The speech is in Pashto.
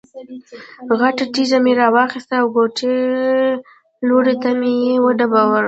غټه تیږه مې را واخیسته او کوټې لور ته مې یې وډباړه.